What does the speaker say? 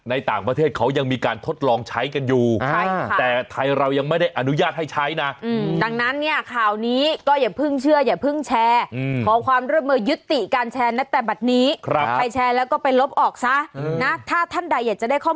เอาไปลองฟังเสียงของผู้บริโภคหน่อยนะฮะ